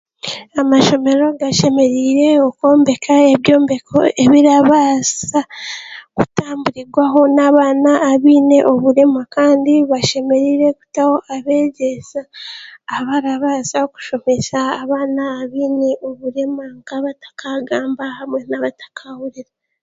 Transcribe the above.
Amashomero g'ashemereire o'kwombeka ebyo'mbeko ebirabaasa kutamburirwaho n'abaana abeine oburema kandi bashemerire kutaho abagyesa abarabaasa kushomesa abaana abeine oburema nk'abarakagamba n'abatarahuurira.